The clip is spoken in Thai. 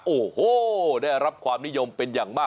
โอ้โหได้รับความนิยมเป็นอย่างมาก